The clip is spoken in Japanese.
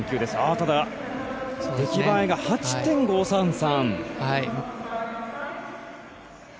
ただ、出来栄え点が８．５３３。